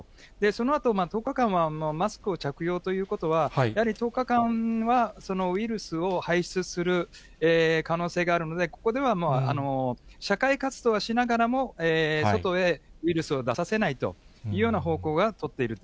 そのあと１０日間はマスクを着用ということは、やはり１０日間はウイルスを排出する可能性があるので、ここでは社会活動はしながらも、外へウイルスを出させないというような方向は取っている。